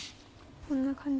こんな感じ？